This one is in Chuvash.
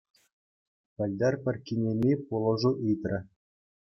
Пӗлтӗр пӗр кинеми пулӑшу ыйтрӗ.